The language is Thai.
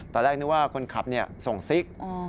ตอนแรกนึกว่าคนขับส่งซิก